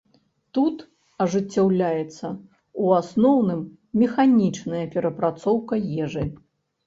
Тут ажыццяўляецца, у асноўным, механічная перапрацоўка ежы.